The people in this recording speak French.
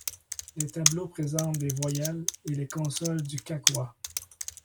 Les tableaux présentent les voyelles et les consonnes du kakwa.